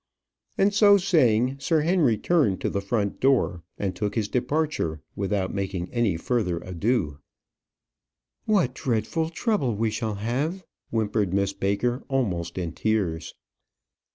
And so saying, Sir Henry turned to the front door, and took his departure, without making any further adieu. "What dreadful trouble we shall have!" whimpered Miss Baker, almost in tears.